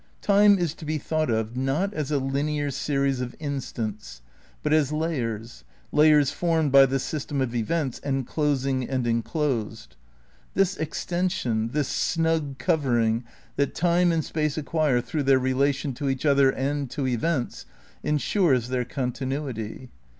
Time is to be thought of, not as a linear series of instants, but as layers, layers formed by the system of events enclosing and enclosed. This extension, this snug covering that time and space acquire through their relation to each other and to events, ensures their con tinuity.